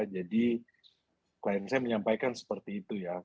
jadi klien saya menyampaikan seperti itu ya